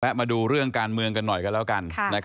มาดูเรื่องการเมืองกันหน่อยกันแล้วกัน